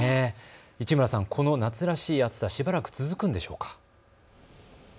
市村さん、この夏らしい暑さ、しばらく続くんでしょうか。